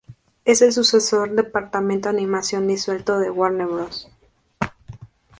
Es el sucesor del departamento de animación disuelto de Warner Bros.